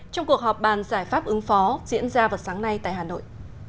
trong cuộc họp bàn giải pháp ứng phó diễn ra vào sáng nay tại hà nội